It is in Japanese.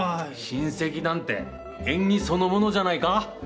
親戚なんて縁起そのものじゃないか。